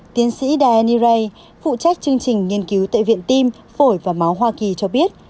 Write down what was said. tiến sĩ daniray phụ trách chương trình nghiên cứu tại viện tim phổi và máu hoa kỳ cho biết